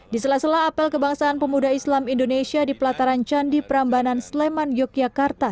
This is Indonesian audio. di sela sela apel kebangsaan pemuda islam indonesia di pelataran candi prambanan sleman yogyakarta